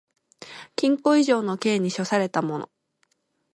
禁錮以上の刑に処せられた者